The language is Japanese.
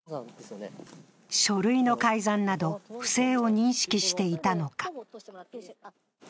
書類の改ざんなど不正を認識していたのか。